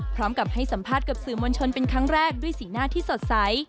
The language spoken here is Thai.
พร้อมกับให้สัมภาษณ์กับสื่อมวลชนเป็นครั้งแรกด้วยสีหน้าที่สดใส